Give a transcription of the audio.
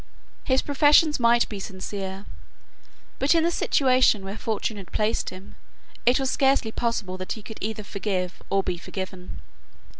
His professions might be sincere; but in the situation where fortune had placed him, it was scarcely possible that he could either forgive or be forgiven.